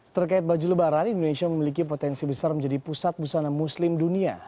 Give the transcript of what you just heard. terkait baju lebaran indonesia memiliki potensi besar menjadi pusat busana muslim dunia